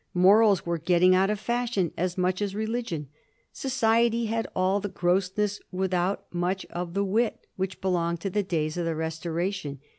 Morals were getting out of fashion as much as relig ion. Society had all the grossness without much of the wit which belonged to the days of the Restoration.